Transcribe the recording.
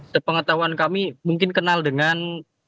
sepengetahuan kami mungkin kenal dengan